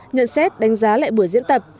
nhận xét đánh giá lại bữa diễn tập